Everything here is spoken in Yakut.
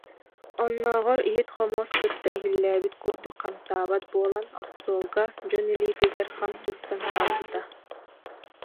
Оннооҕор иһит-хомуос кытта иһиллээбит курдук хамсаабат буолан, остуолга, дьон илиитигэр хам сыстан хаалбыта